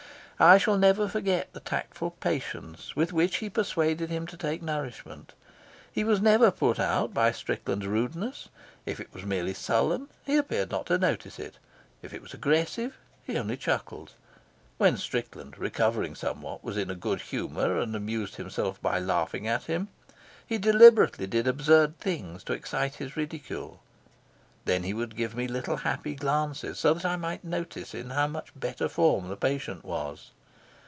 I shall never forget the tactful patience with which he persuaded him to take nourishment. He was never put out by Strickland's rudeness; if it was merely sullen, he appeared not to notice it; if it was aggressive, he only chuckled. When Strickland, recovering somewhat, was in a good humour and amused himself by laughing at him, he deliberately did absurd things to excite his ridicule. Then he would give me little happy glances, so that I might notice in how much better form the patient was.